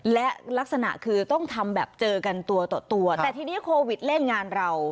และลักษณะคือต้องทำแบบเจอกันตัวต่อตัวแต่ทีนี้โควิดเล่นงานเรา